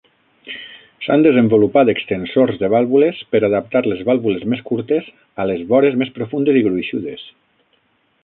S'han desenvolupat extensors de vàlvules per adaptar les vàlvules més curtes a les vores més profundes i gruixudes.